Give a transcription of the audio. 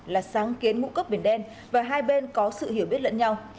là sáng kiến ngũ cốc biển đen và hai bên có sự hiểu biết lẫn nhau